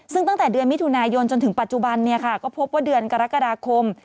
ซึ่งตั้งแต่เดือนมิถุนายนจนถึงปัจจุบันก็พบว่าเดือนกรกฎาคม